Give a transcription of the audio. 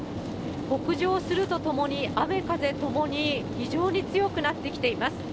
北上するとともに雨風ともに非常に強くなってきています。